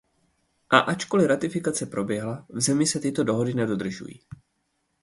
A ačkoli ratifikace proběhla, v zemi se tyto dohody nedodržují.